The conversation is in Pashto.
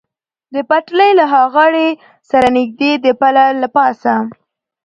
د پټلۍ له ها غاړې سره نږدې د پله له پاسه.